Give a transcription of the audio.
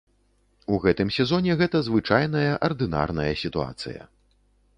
У гэтым сезоне гэта звычайная ардынарная сітуацыя.